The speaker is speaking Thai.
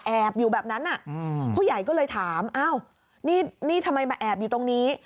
อยู่แบบนั้นผู้ใหญ่ก็เลยถามอ้าวนี่ทำไมมาแอบอยู่ตรงนี้